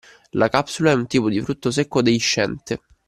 La capsula è un tipo di frutto secco deiscente.